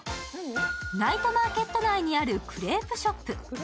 ナイトマーケット内にあるクレープショップ。